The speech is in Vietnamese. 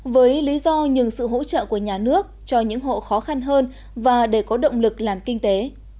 với lý do nhường sự hỗ trợ của nhà nước cho những hộ khó khăn hơn và để có động lực làm kinh tế